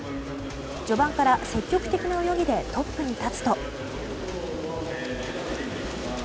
序盤から積極的な泳ぎでトップに立つと。